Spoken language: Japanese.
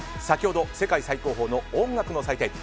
先ほど世界最高峰の音楽の祭典